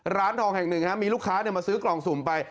ร้านทองแห่งหนึ่งมีลูกค้ามาซื้อกล่องสุ่มไป